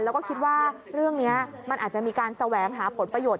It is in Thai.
แล้วก็คิดว่าเรื่องนี้มันอาจจะมีการแสวงหาผลประโยชน